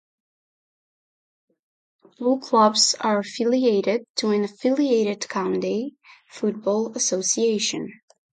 All clubs are affiliated to an affiliated County Football Association.